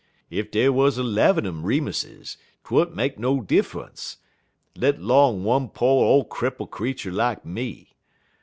Ef dey wuz 'lev'm Remuses 't would n't make no diffunce, let 'long one po' ole cripple creetur lak me.